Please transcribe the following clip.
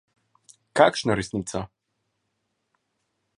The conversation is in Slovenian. Kakšno resnico?